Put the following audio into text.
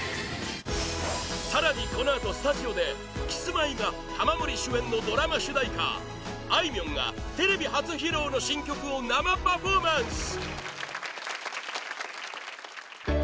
更に、このあとスタジオでキスマイが玉森主演のドラマ主題歌あいみょんがテレビ初披露の新曲を生パフォーマンス！